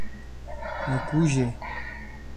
Mucugê